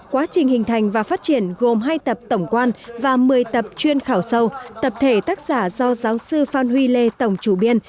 quá trình hình thành và phát triển gồm hai tập tổng quan và một mươi tập chuyên khảo sâu tập thể tác giả do giáo sư phan huy lê tổng chủ biên